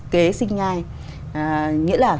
kế sinh nhai nghĩa là